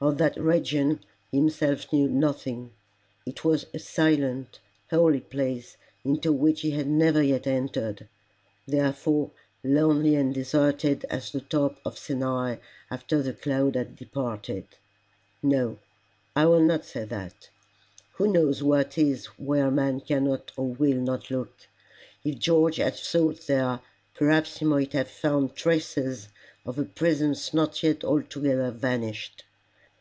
Of that region he himself knew nothing. It was a silent, holy place into which he had never yet entered therefore lonely and deserted as the top of Sinai after the cloud had departed. No I will not say that: who knows what is where man cannot or will not look? If George had sought there, perhaps he might have found traces of a presence not yet altogether vanished.